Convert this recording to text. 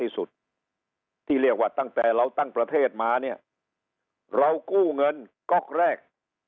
สุดที่เรียกว่าตั้งแต่เราตั้งประเทศมาเนี่ยเรากู้เงินก๊อกแรก